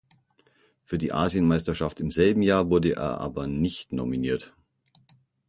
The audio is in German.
Für die Asienmeisterschaft im selben Jahr wurde er aber nicht nominiert.